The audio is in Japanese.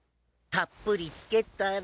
たっぷりつけたら。